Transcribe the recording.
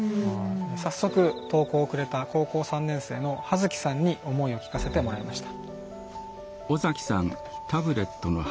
早速、投稿をくれた高校３年生の葉月さんに思いを聞かせてもらいました。